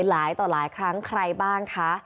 หลายต่อหลายครั้งใครบ้างคะ